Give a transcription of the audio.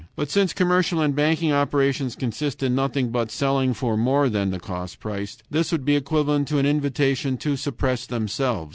But since commercial and banking operations consist in nothing but selling for more than the cost price, this would be equivalent to an invitation to suppress themselves.